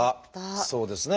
そうですね